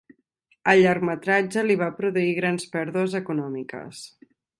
El llargmetratge li va produir grans pèrdues econòmiques.